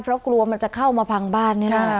เพราะกลัวมันจะเข้ามาพังบ้านนี่แหละ